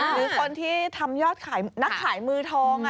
หรือคนที่ทำยอดขายนักขายมือทอง